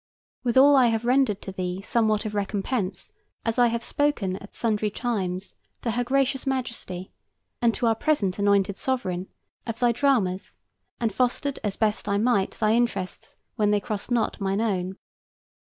Withal I have rendered to thee somewhat of recompense as I have spoken at sundry times to her gracious Majesty and to our present anointed Sovereign of thy dramas, and fostered as best I might thy interests when they crossed not mine own.